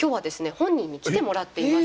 本人に来てもらっています。